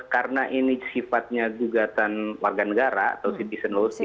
karena ini sifatnya gugatan warga negara atau citizen lawship